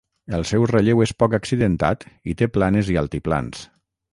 El seu relleu és poc accidentat i té planes i altiplans.